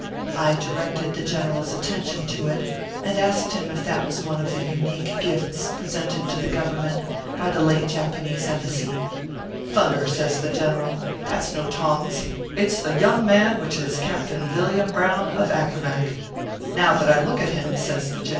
I directed the general s atten tion to it, and asked him if that was one of the unique gifts presented to the Government by the late Japa nese embassy ? "Thunder!" says the general, "that s no tongs. It s the young man which is Captain Villiam Brown, of Accomac. Now that I look at him," says the gen ORPHEUS C.